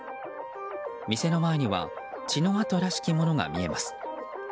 店の前には血の痕らしきものが見えます。